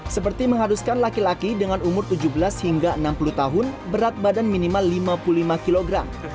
seperti mengharuskan laki laki dengan umur tujuh belas hingga enam puluh tahun berat badan minimal lima puluh lima kg